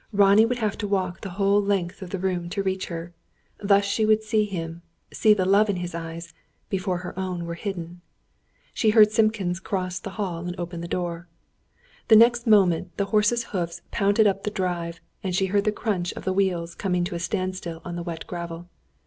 Ronnie would have to walk the whole length of the room to reach her. Thus she would see him see the love in his eyes before her own were hidden. She heard Simpkins cross the hall and open the door. The next moment the horses' hoofs pounded up the drive, and she heard the crunch of the wheels coming to a standstill on the wet gravel.